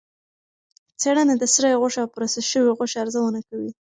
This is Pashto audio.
څېړنه د سرې غوښې او پروسس شوې غوښې ارزونه کوي.